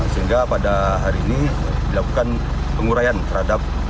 sehingga pada hari ini dilakukan penguraian terhadap barang